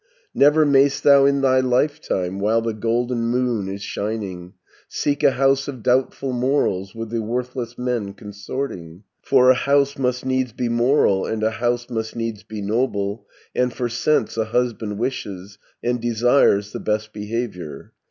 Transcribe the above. "Never may'st thou in thy lifetime, While the golden moon is shining, 80 Seek a house of doubtful morals, With the worthless men consorting, For a house must needs be moral, And a house must needs be noble, And for sense a husband wishes, And desires the best behaviour.